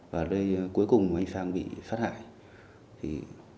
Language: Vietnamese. và nơi cuối cùng anh sang bị sát hại